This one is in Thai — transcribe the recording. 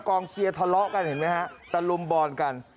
กองเชียร์ทะเลาะกันเห็นไหมฮะตะลุมบอลกัน